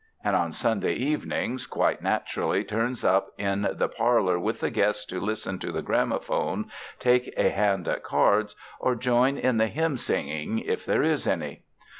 and on Sunday evenings quite naturally turns up in the par lor with the guests to listen to the graphophone, take a hand at cards, or join in the hymn singing, if there is any.